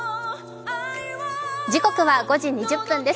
時刻は５時２０分です。